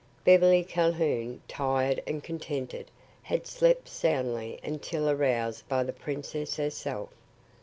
Beverly Calhoun, tired and contented, had slept soundly until aroused by the princess herself.